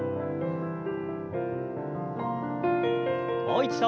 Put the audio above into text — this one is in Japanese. もう一度。